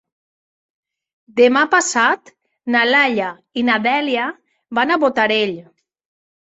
Demà passat na Laia i na Dèlia van a Botarell.